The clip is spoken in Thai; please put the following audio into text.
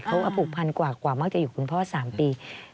เขาอภูมิพันธ์กว่ามากจะอยู่กับคุณพ่อ๓ปี